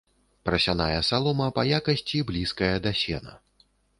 Прасяная салома па якасці блізкая да сена.